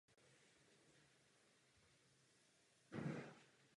Již během prvních let se fondu podařilo shromáždit významné finanční prostředky.